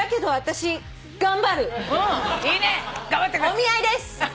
お見合いです！